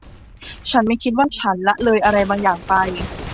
ฉันไม่คิดว่าฉันละเลยอะไรบางอย่างไป